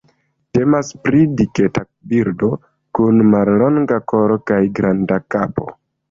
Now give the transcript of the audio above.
Temas pri diketa birdo, kun mallonga kolo kaj granda kapo.